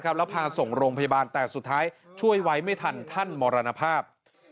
แล้วพาส่งโรงพยาบาลแต่สุดท้ายช่วยไว้ไม่ทันท่านมรณภาพ